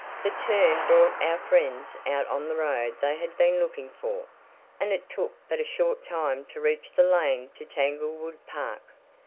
The turn brought our friends out on the road they had been looking for, and it took but a short time to reach the lane to Tanglewood Park.